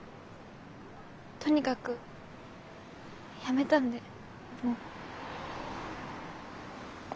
とにかく辞めたんでもう。